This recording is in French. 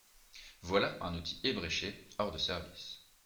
Voilà un outil ébréché, hors de service !…